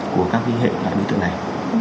của các viên hệ đối tượng này